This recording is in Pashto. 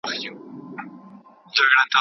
له دې سکوته د همای و لور ته کډه کوم